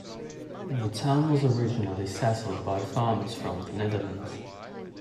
The town was originally settled by farmers from the Netherlands.